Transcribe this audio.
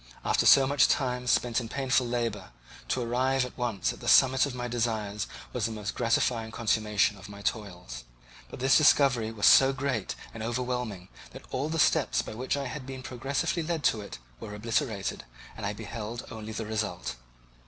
After so much time spent in painful labour, to arrive at once at the summit of my desires was the most gratifying consummation of my toils. But this discovery was so great and overwhelming that all the steps by which I had been progressively led to it were obliterated, and I beheld only the result.